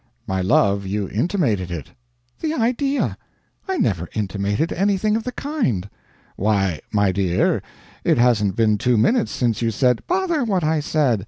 "My love, you intimated it." "The idea! I never intimated anything of the kind." "Why, my dear, it hasn't been two minutes since you said " "Bother what I said!